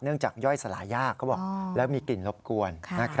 จากย่อยสลายยากเขาบอกแล้วมีกลิ่นรบกวน